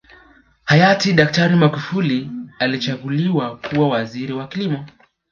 Hayati daktari Magufuli alichaguliwa kuwa Waziri wa kilimo